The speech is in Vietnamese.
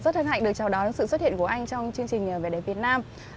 rất hân hạnh được chào đón sự xuất hiện của anh trong chương trình vẻ đẹp việt nam